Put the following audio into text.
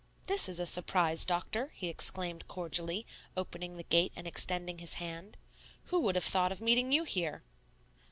"This is a surprise, Doctor," he exclaimed cordially, opening the gate and extending his hand. "Who would have thought of meeting you here?"